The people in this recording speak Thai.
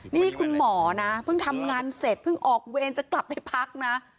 นี่คุณหมอนะเพิ่งทำงานเสร็จเพิ่งออกเวรจะกลับไปพักนะ